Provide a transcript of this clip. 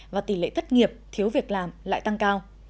và tỷ lệ thất nghiệp thiếu việc làm lại tăng cao